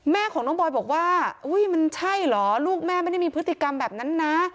แม่ของน้องบอยบอกว่ามันใช่เหรอลูกแม่ไม่ได้มีพฤติกรรมแบบนั้นนะ